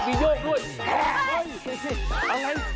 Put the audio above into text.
เฮ้ยเฮ้ยเฮ้ยเฮ้ยเฮ้ย